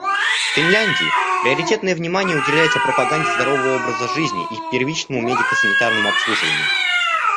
В Финляндии приоритетное внимание уделяется пропаганде здорового образа жизни и первичному медико-санитарному обслуживанию.